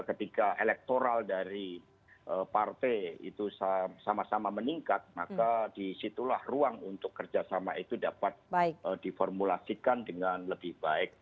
ketika elektoral dari partai itu sama sama meningkat maka disitulah ruang untuk kerjasama itu dapat diformulasikan dengan lebih baik